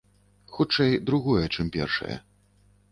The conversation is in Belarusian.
Хутчэй другое, чым першае.